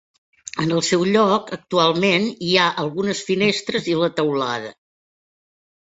En el seu lloc actualment hi ha algunes finestres i la teulada.